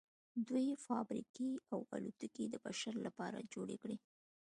دوی فابریکې او الوتکې د بشر لپاره جوړې کړې